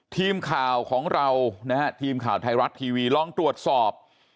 ทีมข่าวของเรานะฮะทีมข่าวไทยรัฐทีวีลองตรวจสอบ